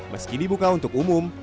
meski dibuka untuk umum